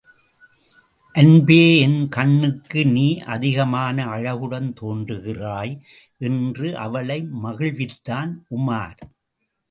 அன்பே என் கண்ணுக்கு நீ அதிகமான அழகுடன் தோன்றுகிறாய்! என்று அவளை மகிழ்வித்தான் உமார்.